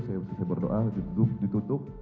saya berdoa ditutup